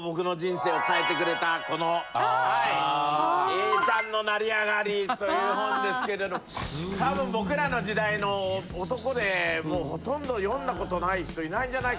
・永ちゃんの『成りあがり』という本ですけれどたぶん僕らの時代の男でほとんど読んだ事ない人いないんじゃないかな？